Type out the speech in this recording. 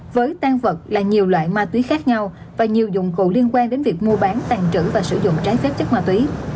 với tan vật là nhiều loại ma túy khác nhau và nhiều dụng cụ liên quan đến việc mua bán tàn trữ và sử dụng trái phép chất ma túy